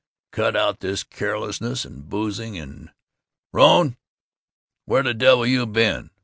Cut out this carelessness and boozing and Rone! Where the devil you been?